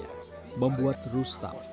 kepala kepala kepala